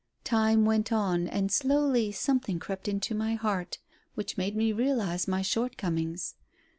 "Time went on, and slowly something crept into my heart which made me realize my shortcomings.